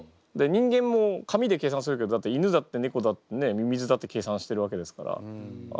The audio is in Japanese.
人間も紙で計算するけどだって犬だって猫だってミミズだって計算してるわけですから計算して動いてる。